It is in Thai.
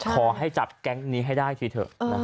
ขอให้จับแก๊งนี้ให้ได้ทีเถอะ